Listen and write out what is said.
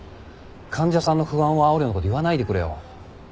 患者さんの不安をあおるようなこと言わないでくれよ。